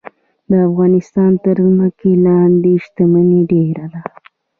د افغانستان تر ځمکې لاندې شتمني ډیره ده